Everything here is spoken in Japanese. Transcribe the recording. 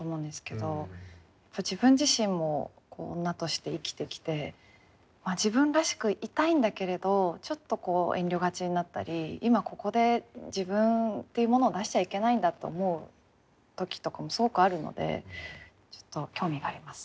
自分自身も女として生きてきて自分らしくいたいんだけれどちょっと遠慮がちになったり今ここで自分っていうものを出しちゃいけないんだと思う時とかもすごくあるのでちょっと興味があります。